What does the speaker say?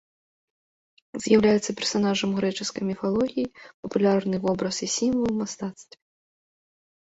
З'яўляецца персанажам грэчаскай міфалогіі, папулярны вобраз і сімвал ў мастацтве.